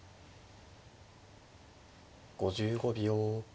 ５５秒。